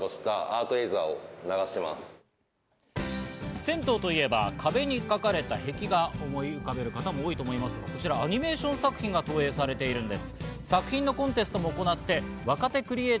銭湯といえば、壁に描かれた壁画を思い浮かべる方、多いと思いますが、こちらアニメーション作品が投影されているんです。